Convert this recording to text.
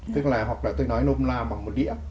tức là hoặc là tôi nói nôm lao bằng một đĩa